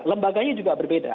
lembaganya juga berbeda